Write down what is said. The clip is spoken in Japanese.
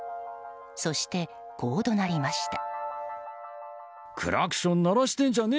そして、こう怒鳴りました。